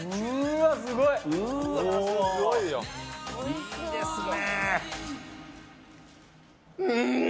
いいですね。